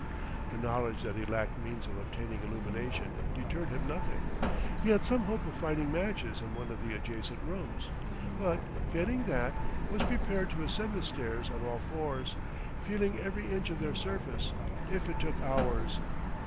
The knowledge that he lacked means of obtaining illumination deterred him nothing; he had some hope of finding matches in one of the adjacent rooms, but, failing that, was prepared to ascend the stairs on all fours, feeling every inch of their surface, if it took hours.